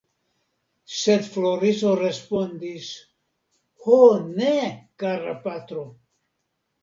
Sed Floriso respondis: Ho ne, kara patro!